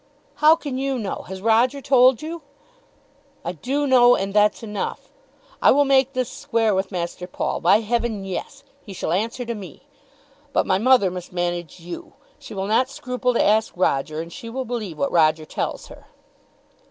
"How can you know? Has Roger told you?" "I do know, and that's enough. I will make this square with Master Paul. By heaven, yes! He shall answer to me. But my mother must manage you. She will not scruple to ask Roger, and she will believe what Roger tells her."